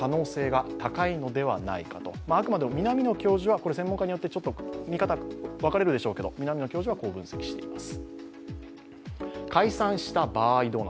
これは専門家によって見方が分かれるでしょうけど、南野教授はこう分析しています。